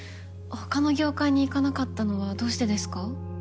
他の業界にいかなかったのはどうしてですか？